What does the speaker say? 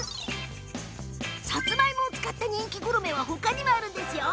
さつまいもを使った人気グルメは他にもあるんです。